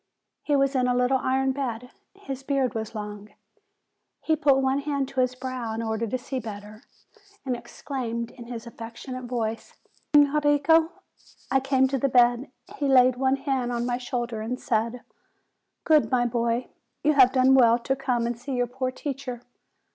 He was in a little iron bed. His beard was long. He put one hand to his brow in order to see better, and exclaimed in his affectionate voice : "Oh, Enrico!" I came to the bed. He laid one hand on my shoulder and said : "Good, my boy. You have done well to come and see your poor teacher.